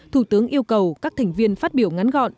thủ tướng yêu cầu các thành viên phát biểu ngắn gọn